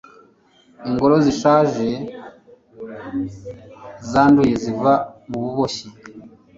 ingoro zishaje zanduye ziva mububoshyi